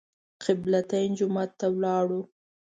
قبله تین جومات ته لاړو.